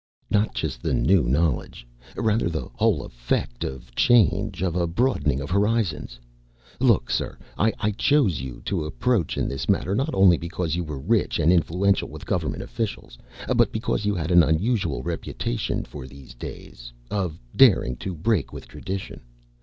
"Not just the new knowledge. Rather the whole effect of change, of a broadening of horizons. Look, sir, I chose you to approach in this matter not only because you were rich and influential with government officials, but because you had an unusual reputation, for these days, of daring to break with tradition.